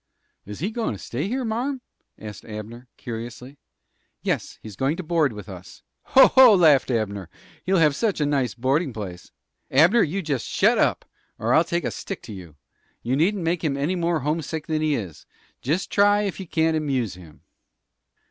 "Is he goin' to stay here, marm?" asked Abner, curiously. "Yes; he's goin' to board with us." "Ho, ho!" laughed Abner; "he'll have a nice boardin' place!" "Abner, you jest shut up, or I'll take a stick to you! You needn't make him any more homesick than he is. Just try ef you can't amuse him."